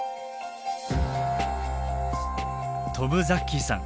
トム・ザッキーさん